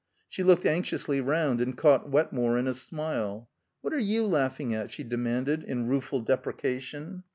She looked anxiously round, and caught Wetmore in a smile. "What are you laughing at?" she demanded in rueful deprecation.